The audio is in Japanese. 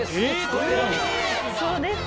そうです。